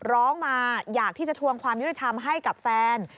ร้องมาอยากที่จะทวงความยุติธรรมให้กับแฟน